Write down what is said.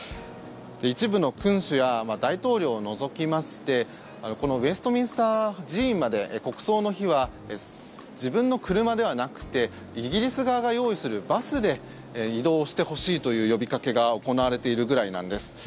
一部の君主や大統領を除きましてこのウェストミンスター寺院まで国葬の日は、自分の車ではなくてイギリス側が用意するバスで移動してほしいという呼びかけが行われているくらいなんです。